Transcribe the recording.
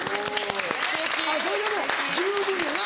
それでもう十分やな。